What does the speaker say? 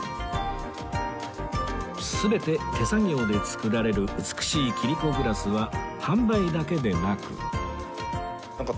全て手作業で作られる美しい切子グラスは販売だけでなく